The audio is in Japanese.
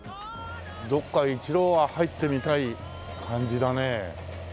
どこか一度は入ってみたい感じだね。